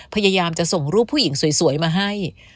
พยายามจะส่งรูปผู้หญิงสวยมาให้